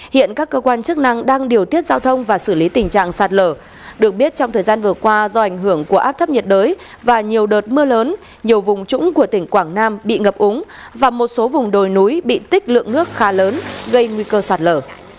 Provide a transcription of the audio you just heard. hiện các cơ quan chức năng đang điều tiết giao thông và xử lý tình trạng sạt lở được biết trong thời gian vừa qua do ảnh hưởng của áp thấp nhiệt đới và nhiều đợt mưa lớn nhiều vùng trũng của tỉnh quảng nam bị ngập úng và một số vùng đồi núi bị tích lượng nước khá lớn gây nguy cơ sạt lở